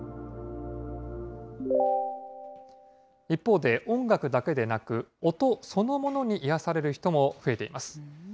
一方で、音楽だけでなく、音そのものに癒やされる人も増えています。